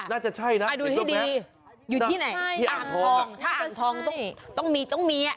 น่าจะใช่นะดูให้ดีอยู่ที่ไหนที่อ่างทองถ้าอ่างทองต้องต้องมีต้องมีอ่ะ